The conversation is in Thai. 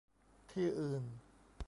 ที่อื่น